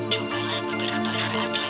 jom balik beberapa saat lagi